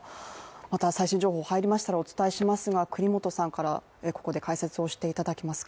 また最新情報が入りましたらお伝えしますが國本さんからここで解説をしていただきます。